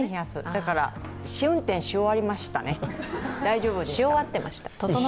だから、試運転し終わりましたね、大丈夫でした。